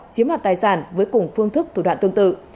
chiếm đoạt tài sản với cùng phương thức thủ đoạn tương tự